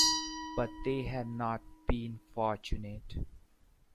But they had not been fortunate.